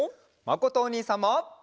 まことおにいさんも！